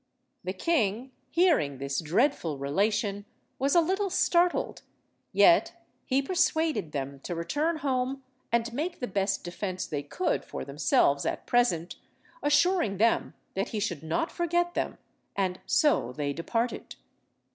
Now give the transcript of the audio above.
The king, hearing this dreadful relation, was a little startled, yet he persuaded them to return home and make the best defence they could for themselves at present, assuring them that he should not forget them, and so they departed.